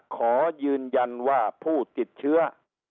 ขอยืนยันว่าผู้ติดเชื้อ